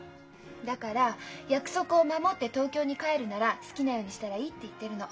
だから約束を守って東京に帰るなら好きなようにしたらいいって言ってるの。